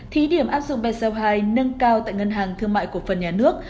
thí điểm áp dụng bseo hai nâng cao tại ngân hàng thương mại cổ phần nhà nước